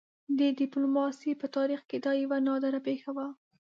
د ډيپلوماسۍ په تاریخ کې دا یوه نادره پېښه وه.